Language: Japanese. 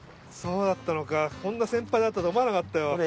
うだったのかこんな先輩だったと思わなかったよ。